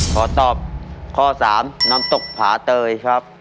ขอตอบข้อ๓น้ำตกผาเตยครับ